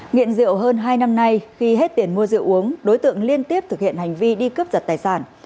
nghiện rượu hơn hai năm nay khi hết tiền mua rượu uống đối tượng liên tiếp thực hiện hành vi đi cướp giật tài sản